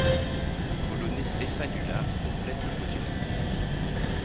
Le Polonais Stefan Hula complète le podium.